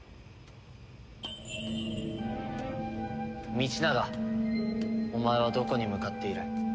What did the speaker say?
道長お前はどこに向かっている？